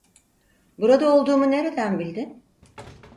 Burada olduğumu nereden bildin?